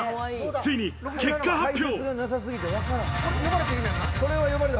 ついに結果発表。